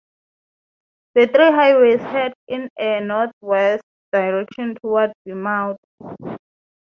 The three highways head in a northwest direction toward Beaumont.